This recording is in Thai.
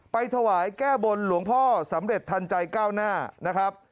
ไปถวายแก้บนหลวงพ่อสำเร็จทันใจก้าวหน้านะครับ